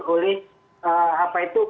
oleh apa itu